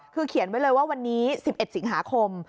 คือเขียนไว้เลยว่าวันนี้๑๑สิงหาคม